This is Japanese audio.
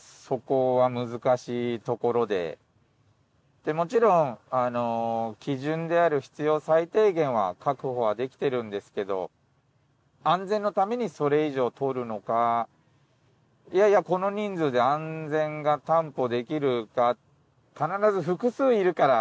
やはりもちろん基準である必要最低限は確保はできているんですけど安全のためにそれ以上とるのかいやいやこの人数で安全が担保できるか。